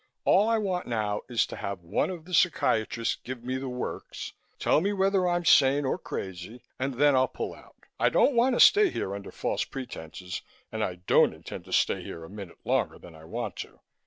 "All I want now is to have one of the psychiatrists give me the works, tell me whether I'm sane or crazy, and then I'll pull out. I don't want to stay here under false pretenses and I don't intend to stay here a minute longer than I want to.